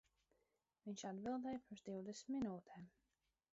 Viņš atbildēja pirms divdesmit minūtēm.